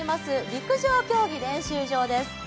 陸上競技練習場です。